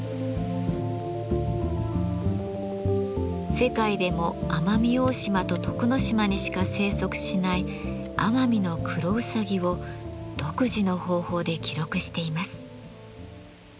世界でも奄美大島と徳之島にしか生息しないアマミノクロウサギを独自の方法で記録しています。